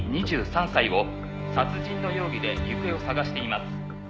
２３歳を殺人の容疑で行方を捜しています」